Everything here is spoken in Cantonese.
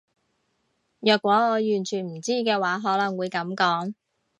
若果我完全唔知嘅話可能會噉講